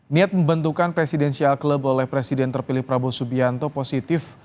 niat membentukkan presidensial club oleh presiden terpilih prabowo subianto positif